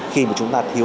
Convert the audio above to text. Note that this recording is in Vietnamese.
khi mà chúng ta thiếu